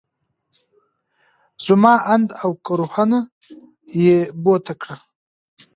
زما اند او ګروهه يې بوته کړه.